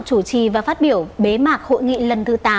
chủ trì và phát biểu bế mạc hội nghị lần thứ tám